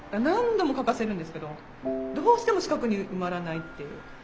何度も書かせるんですけどどうしても四角に埋まらないっていう。